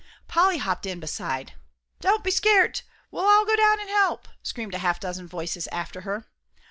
Polly hopped in beside. "Don't be scart. We'll all go down and help," screamed a half dozen voices after her.